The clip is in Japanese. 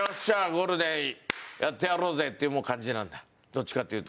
ゴールデンやってやろうぜ！っていう感じなんだどっちかっていうと。